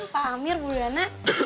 pak amir ibu donat